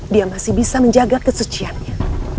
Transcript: dia masih bisa menjaga kesuciannya